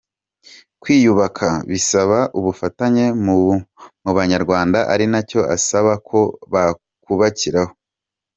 Kwiyubaka bisaba ubufatanye mu Banyarwanda ari nacyo asaba ko bakubakiraho.